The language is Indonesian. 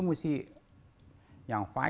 tahun dua ribu sembilan hingga tiga